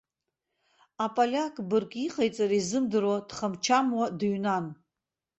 Аполиак бырг иҟаиҵара изымдыруа дхам-чамуа дыҩнан.